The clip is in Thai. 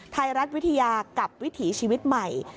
ไทยรัฐวิทยากับวิถีชีวิตใหม่